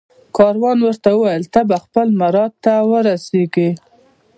کاروان ورته وویل ته به خپل مراد ته ورسېږې